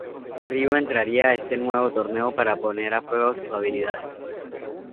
Ryu entraría a este nuevo torneo para poner a prueba sus habilidades.